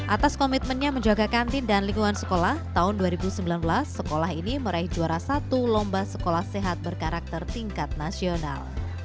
atas komitmennya menjaga kantin dan lingkungan sekolah tahun dua ribu sembilan belas sekolah ini meraih juara satu lomba sekolah sehat berkarakter tingkat nasional